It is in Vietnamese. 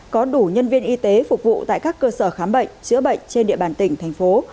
có đủ nhân viên y tế phục vụ tại các cơ sở khám bệnh chữa bệnh trên địa bàn tỉnh thành phố